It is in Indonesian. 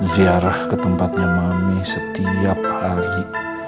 ziarah ke tempatnya mami setiap hari